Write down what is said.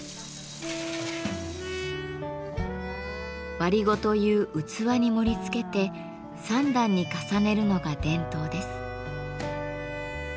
「割子」という器に盛りつけて３段に重ねるのが伝統です。